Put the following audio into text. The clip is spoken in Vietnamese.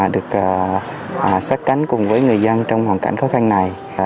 được sát cánh cùng với người dân trong hoàn cảnh khó khăn này